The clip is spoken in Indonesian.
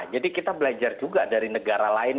jadi kita belajar juga dari negara lain